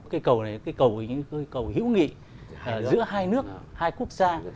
cái cầu này cái cầu hữu nghị giữa hai nước hai quốc gia